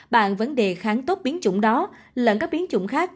bạn vấn đề kháng tốt biến chủng đó lẫn các biến chủng khác